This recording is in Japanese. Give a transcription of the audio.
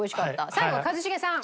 最後は一茂さん